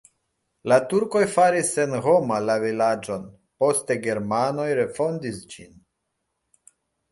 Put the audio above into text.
La turkoj faris senhoma la vilaĝon, poste germanoj refondis ĝin.